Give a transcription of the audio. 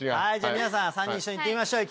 皆さん３人一緒に行ってみましょう。